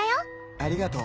ありがとう。